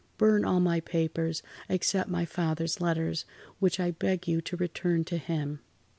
Burn all my papers except my father's letters, which I beg you to return to him."